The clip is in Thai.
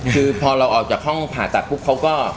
คือพอเราออกจากห้องผ่าตัดปุ๊บเขาก็